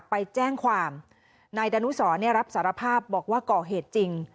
ไปแจ้งความนายดนต์อุตรศรเนี่ยรับสารภาพบอกว่าก่อเหตุจริง